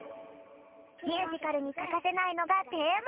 ミュージカルにかかせないのがテーマきょく。